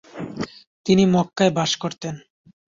তিনি মক্কায় বাস করতেন।